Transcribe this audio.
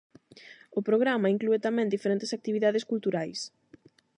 O programa inclúe tamén diferentes actividades culturais.